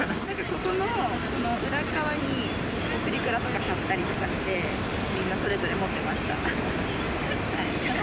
ここの裏っ側に、プリクラとか貼ったりとかして、みんなそれぞれ持ってました。